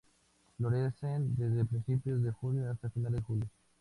Florecen desde principios de junio hasta finales de julio.